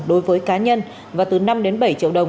đối với cá nhân và từ năm đến bảy triệu đồng